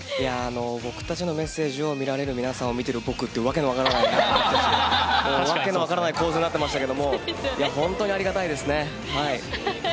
僕たちのメッセージを見られる皆さんを見ている僕という訳の分からない構図になっていましたが本当にありがたいですね。